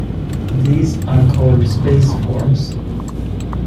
These are called space forms.